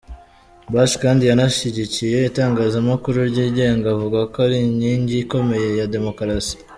Bush kandi yanashyigikiye itangazamakuru ryigenga avuga ko ari inkingi ikomeye ya demokarasi.